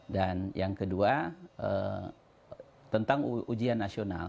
dan yang kedua tentang ujian nasional